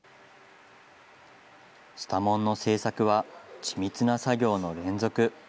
スタモンの製作は緻密な作業の連続。